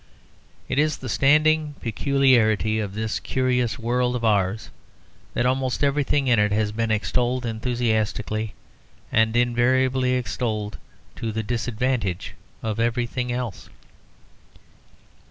It is the standing peculiarity of this curious world of ours that almost everything in it has been extolled enthusiastically and invariably extolled to the disadvantage of everything else.